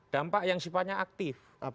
dampak yang sifatnya aktif